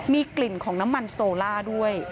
มีกลิ่นของน้ำมันโซล่าด้วย